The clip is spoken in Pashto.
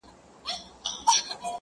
• روح مي خبري وکړې روح مي په سندرو ويل،